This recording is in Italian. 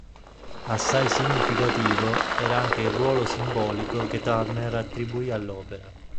Assai significativo era anche il ruolo simbolico che Turner attribuì all'opera.